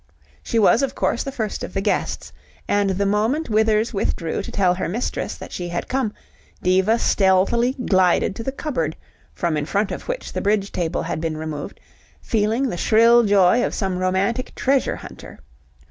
She was, of course, the first of the guests, and the moment Withers withdrew to tell her mistress that she had come, Diva stealthily glided to the cupboard, from in front of which the bridge table had been removed, feeling the shrill joy of some romantic treasure hunter.